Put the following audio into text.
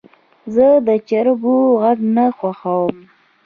زه د چرګو غږ نه خوښوم.